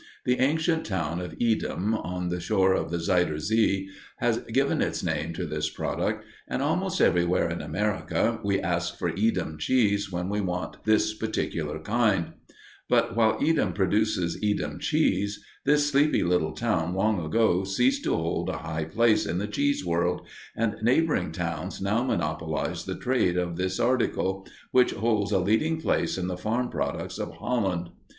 The ancient town of Edam, on the shore of the Zuyder Zee, has given its name to this product, and almost everywhere in America we ask for Edam cheese when we want this particular kind; but while Edam produces Edam cheese, this sleepy little town long ago ceased to hold a high place in the cheese world, and neighboring towns now monopolize the trade in this article, which holds a leading place in the farm products of Holland.